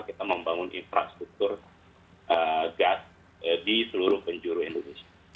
kita membangun infrastruktur gas di seluruh penjuru indonesia